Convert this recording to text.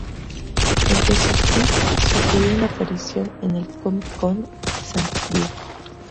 Entre sus tuits sugirió una aparición en el Comic Con de San Diego.